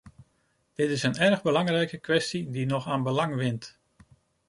Dat is een erg belangrijke kwestie die nog aan belang wint.